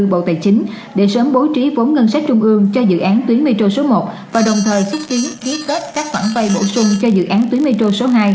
bộ tài chính để sớm bố trí vốn ngân sách trung ương cho dự án tuyến metro số một và đồng thời xúc tiến ký kết các khoản vay bổ sung cho dự án tuyến metro số hai